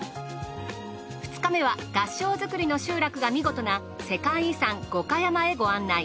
２日目は合掌造りの集落が見事な世界遺産五箇山へご案内。